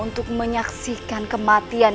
untuk menyaksikan kematian